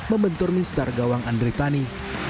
membentur mister gawang andri pani